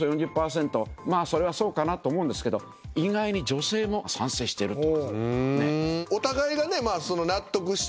それはそうかなと思うんですけど意外に女性も賛成してると。